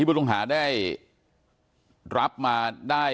แม้นายเชิงชายผู้ตายบอกกับเราว่าเหตุการณ์ในครั้งนั้น